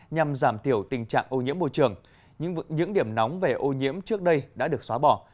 nhằm giảm thiểu tình trạng ô nhiễm môi trường những điểm nóng về ô nhiễm trước đây đã được xóa bỏ